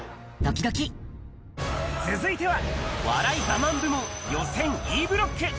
続いては、笑いガマン部門予選Ｅブロック。